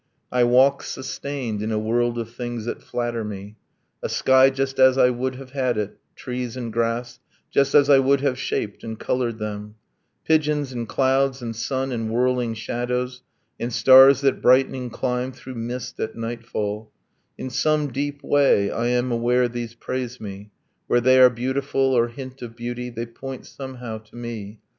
. I walk sustained In a world of things that flatter me: a sky Just as I would have had it; trees and grass Just as I would have shaped and colored them; Pigeons and clouds and sun and whirling shadows, And stars that brightening climb through mist at nightfall, In some deep way I am aware these praise me: Where they are beautiful, or hint of beauty, They point, somehow, to me.